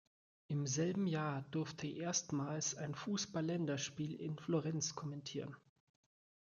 Im selben Jahr durfte er erstmals ein Fußballländerspiel in Florenz kommentieren.